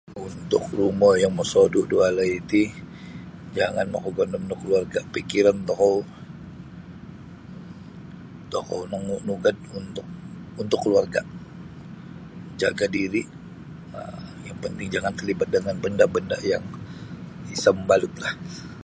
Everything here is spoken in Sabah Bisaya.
Untuk rumo yang mosodu' da walai ti jangan makagondom da keluarga' pikiron tokou tokou ma mugad untuk keluarga' jaga' diri' um yang penting jangan terlibat dengan benda'-benda' yang isa' mabalutlah.